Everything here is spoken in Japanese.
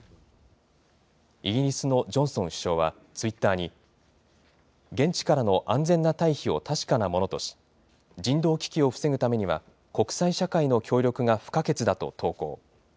イギリスのジョンソン首相は、ツイッターに、現地からの安全な退避を確かなものとし、人道危機を防ぐためには、国際社会の協力が不可欠だと投稿。